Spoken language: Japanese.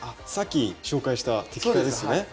さっき紹介した摘果ですね。